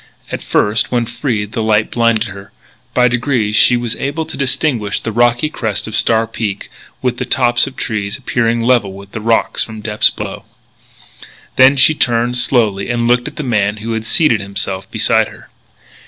At first, when freed, the light blinded her. By degrees she was able to distinguish the rocky crest of Star Peak, with the tops of tall trees appearing level with the rocks from depths below. Then she turned, slowly, and looked at the man who had seated himself beside her.